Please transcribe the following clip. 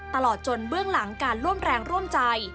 ตลอดจนเบื้องหลังการร่วมแรงร่วมใจ